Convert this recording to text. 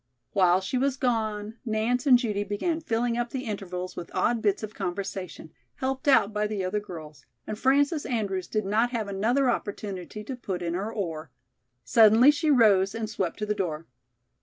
While she was gone, Nance and Judy began filling up the intervals with odd bits of conversation, helped out by the other girls, and Frances Andrews did not have another opportunity to put in her oar. Suddenly she rose and swept to the door.